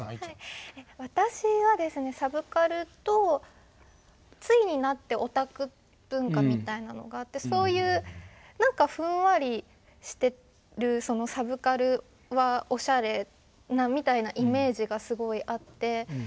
私はサブカルと対になってオタク文化みたいなのがあってそういう何かふんわりしてる「サブカルはおしゃれ」みたいなイメージがすごいあって。